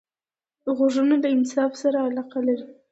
غوږونه له انصاف سره علاقه لري